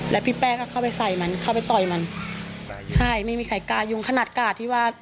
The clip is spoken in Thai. แล้วพี่แป้ก็เข้าไปใส่มันเข้าไปต่อยมันใช่ไม่มีใครกล้ายุ่งขนาดกาดที่ว่า